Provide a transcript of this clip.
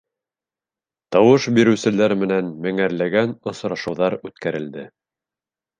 Тауыш биреүселәр менән меңәрләгән осрашыуҙар үткәрелде.